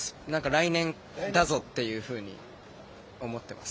来年だぞっていうふうに思っています。